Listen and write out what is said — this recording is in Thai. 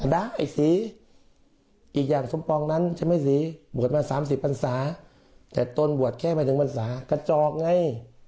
ได้สีอีกอย่างสมปองนั้นใช่ไหมสีบวชมา๓๐พันศาแต่ตนบวชแค่ไม่ถึงพรรษากระจอกไง